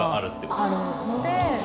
あるので。